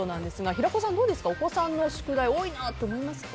平子さん、どうですかお子さんの宿題多いなと思いますか？